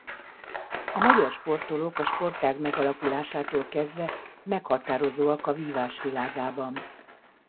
A magyar sportolók a sportág megalakulásától kezdve meghatározóak a vívás világában.